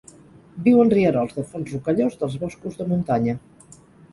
Viu en rierols de fons rocallós dels boscos de muntanya.